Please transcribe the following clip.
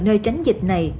nơi tránh dịch này